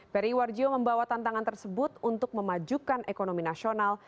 periwarjo membawa tantangan tersebut untuk memajukan ekonomi nasional